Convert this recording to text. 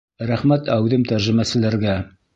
Рәхмәт әүҙем тәржемәселәргә!